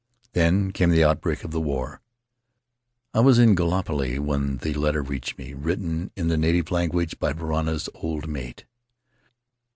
Then came the outbreak of the war. "I was in Gallipoli when the letter reached me, written in the native language by Varana's old mate.